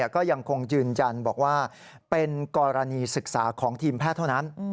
ก็ยังคงยืนยันบอกว่าเป็นกรณีศึกษาของทีมแพทย์เท่านั้น